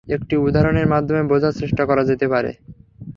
একটি উদাহরণের মাধ্যমে বোঝার চেষ্টা করা যেতে পারে।